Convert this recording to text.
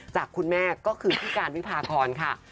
จากคุณแม่ก็คือพี่การวิพากรค่ะ